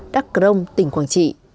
đắk crông tỉnh quảng trị